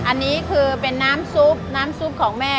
อันนี้เป็นน้ำซุปของแม่